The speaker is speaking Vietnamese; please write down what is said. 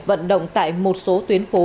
vận động tại một số tuyến phố